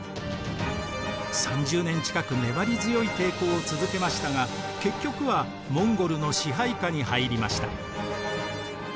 ３０年近く粘り強い抵抗を続けましたが結局はモンゴルの支配下に入りました。